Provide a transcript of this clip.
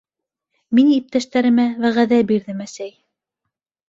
- Мин иптәштәремә вәғәҙә бирҙем, әсәй.